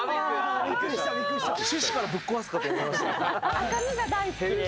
赤身が大好きです。